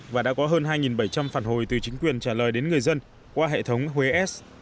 và đã có hơn hai bảy trăm linh phản hồi từ chính quyền trả lời đến người dân qua hệ thống huế s